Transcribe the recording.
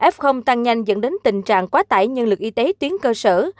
f tăng nhanh dẫn đến tình trạng quá tải nhân lực y tế tuyến cơ sở